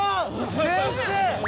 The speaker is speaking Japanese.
先生！